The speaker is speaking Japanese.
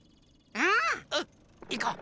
うんいこう。